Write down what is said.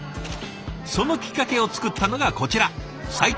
そのきっかけを作ったのがこちら齋藤さん。